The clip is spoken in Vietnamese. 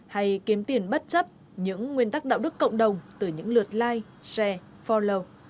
hay kiếm tiền bất chấp những nguyên tắc đạo đức cộng đồng từ những lượt like share forlow